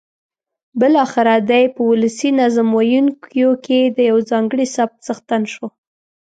بالاخره دی په ولسي نظم ویونکیو کې د یوه ځانګړي سبک څښتن شو.